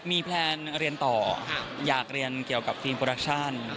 มีแพลนเรียนต่ออยากเรียนเกี่ยวกับทีมโปรดักชั่น